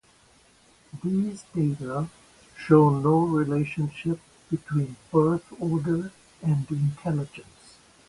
These data show no relationship between birth order and intelligence.